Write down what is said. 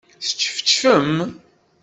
Teččefčfem?